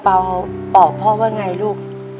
บอกพ่อว่าไงลูก